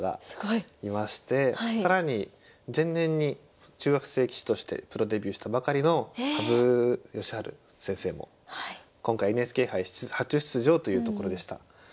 すごい！更に前年に中学生棋士としてプロデビューしたばかりの羽生善治先生も今回ＮＨＫ杯初出場というところでした。